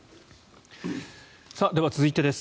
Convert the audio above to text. では続いてです。